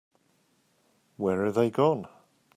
Where are they gone?